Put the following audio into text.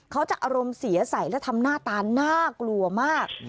อารมณ์เสียใสและทำหน้าตาน่ากลัวมาก